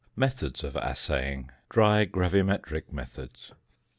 METHODS OF ASSAYING. DRY GRAVIMETRIC METHODS.